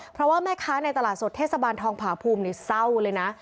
เพราะว่าแม่ค้าในตลาดสดเทศบาลทองผาภูมิเศร้าเลยนะ